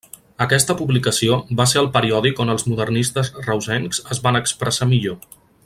Aquesta publicació va ser el periòdic on els modernistes reusencs es van expressar millor.